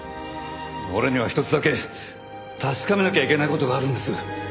俺には一つだけ確かめなきゃいけない事があるんです。